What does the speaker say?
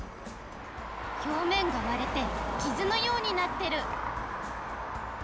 表面が割れて傷のようになってる！